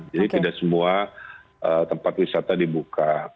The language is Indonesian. jadi tidak semua tempat wisata dibuka